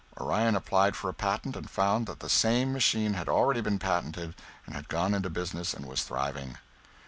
Orion applied for a patent and found that the same machine had already been patented and had gone into business and was thriving.